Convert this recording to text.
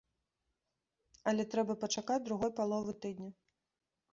Але трэба пачакаць другой паловы тыдня.